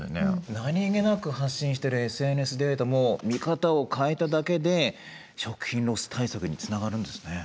何気なく発信してるＳＮＳデータも見方を変えただけで食品ロス対策につながるんですね。